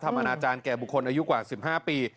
อนาจารย์แก่บุคคลอายุกว่า๑๕ปี